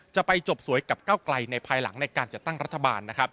จะไปจบสวยกับเก้าไกลในภายหลังในการจัดตั้งรัฐบาลนะครับ